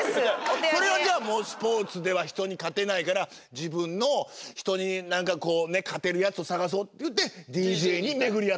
それはじゃあもうスポーツでは人に勝てないから自分の人に何かこう勝てるやつを探そうっていってＤＪに巡り合った？